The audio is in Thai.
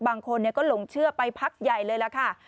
บางคนก็หลงเชื่อไปพักใหญ่เลยล่ะค่ะ